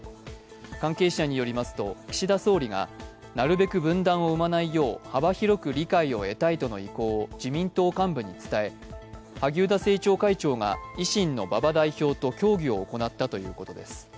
関係者によりますと、岸田総理がなるべく分断を生まないよう幅広く理解を得たいとの意向を自民党幹部に伝え、萩生田政調会長が維新の馬場代表と協議を行ったということです。